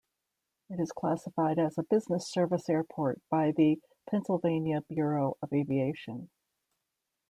It is classified as a business service airport by the Pennsylvania Bureau of Aviation.